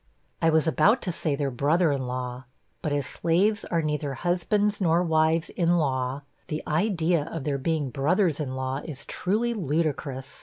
(I was about to say, 'their brother in law' but as slaves are neither husbands nor wives in law, the idea of their being brothers in law is truly ludicrous.)